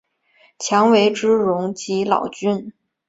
强为之容即老君。